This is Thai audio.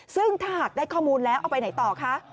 ซึ่งถ้าหากได้ข้อมูลแล้วเอาไปไหนต่อคะ